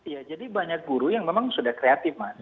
ya jadi banyak guru yang memang sudah kreatif mas